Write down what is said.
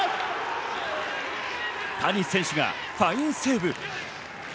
谷選手がファインセーブ。